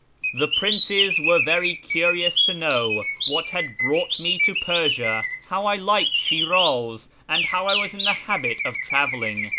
The Princes were very curious to know what had brought me to Persia, how I liked Shiraz, and how I was in the habit of travelling.